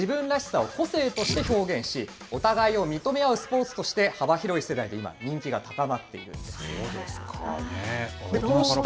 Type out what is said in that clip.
このように、自分らしさを個性として表現し、お互いを認め合うスポーツとして幅広い世代で今、人気が高まっているんです。